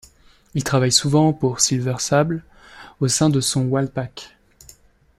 Il travaille souvent pour Silver Sable, au sein de son Wild Pack.